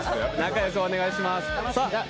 仲良くお願いします。